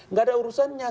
nggak ada urusannya